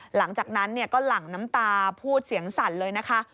หลังจากนั้นก็หลั่งน้ำตาพูดเสียงสั่นเลยนะคะ